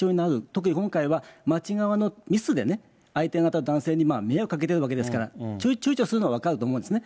特に今回は、町側のミスで、相手方の男性に迷惑かけているわけですから、ちゅうちょするのは分かると思うんですよ。